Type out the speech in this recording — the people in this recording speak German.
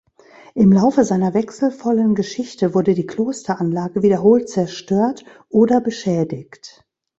Im Laufe seiner wechselvollen Geschichte wurde die Klosteranlage wiederholt zerstört oder beschädigt.